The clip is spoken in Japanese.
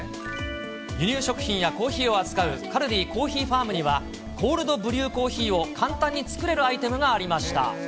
輸入食品やコーヒーを扱うカルディコーヒーファームには、コールドブリューコーヒーを簡単に作れるアイテムがありました。